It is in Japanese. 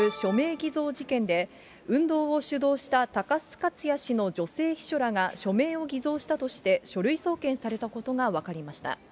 偽造事件で、運動を主導した高須克弥氏の女性秘書らが署名を偽造したとして、書類送検されたことが分かりました。